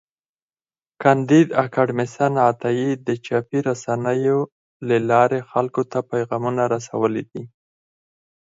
کانديد اکاډميسن عطایي د چاپي رسنیو له لارې خلکو ته پیغامونه رسولي دي.